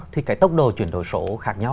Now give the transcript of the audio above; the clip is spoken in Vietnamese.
thì cái tốc độ chuyển đổi số khác nhau